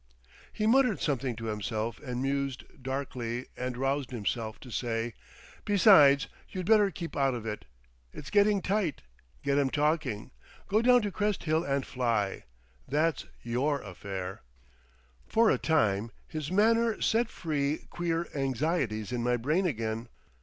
He muttered something to himself and mused darkly, and roused himself to say— "Besides—you'd better keep out of it. It's getting tight. Get 'em talking. Go down to Crest Hill and fly. That's your affair." For a time his manner set free queer anxieties in my brain again.